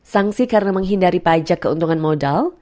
sanksi karena menghindari pajak keuntungan modal